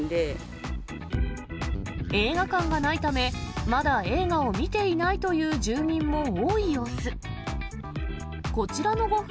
映画館がないため、まだ映画を見ていないという住民も多い様子。